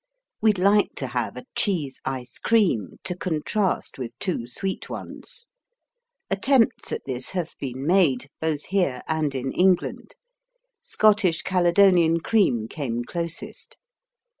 We'd like to have a cheese ice cream to contrast with too sweet ones. Attempts at this have been made, both here and in England; Scottish Caledonian cream came closest.